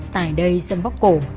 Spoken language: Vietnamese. tại đây sâm bóc cổ